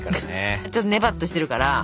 ちょっとねばっとしてるから。